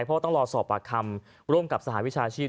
ใครโดนยังไงดังกว่าเท่านี้